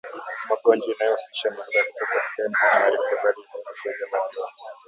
Magonjwa yanayohusisha mimba kutoka km Homa ya Rift Valley RVF na ugonjwa wa maziwa